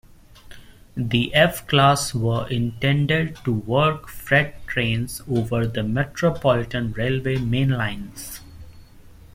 The F Class were intended to work freight trains over the Metropolitan Railway mainline.